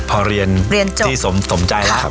พอเรียนที่สมใจแล้ว